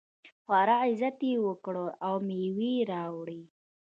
خورا عزت یې وکړ او مېوې یې راوړې.